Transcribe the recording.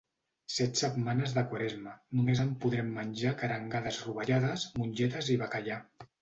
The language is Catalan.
Set setmanes de Quaresma, només en podrem menjar que arengades rovellades, mongetes i bacallà.